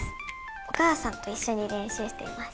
お母さんと一緒に練習しています。